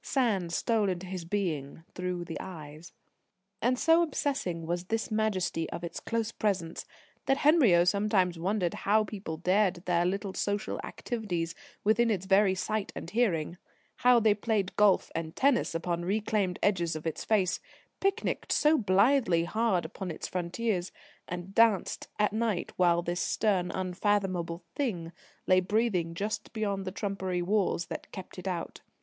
Sand stole into his being through the eyes. And so obsessing was this majesty of its close presence, that Henriot sometimes wondered how people dared their little social activities within its very sight and hearing; how they played golf and tennis upon reclaimed edges of its face, picnicked so blithely hard upon its frontiers, and danced at night while this stern, unfathomable Thing lay breathing just beyond the trumpery walls that kept it out.